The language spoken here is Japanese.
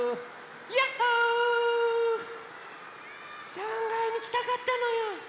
３かいにきたかったのよ。